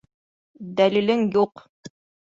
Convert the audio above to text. Дәлилең юҡ!